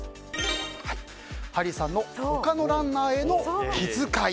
ハリーさんの他のランナーへの気遣い。